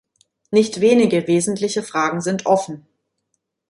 Nicht wenige wesentliche Fragen sind offen.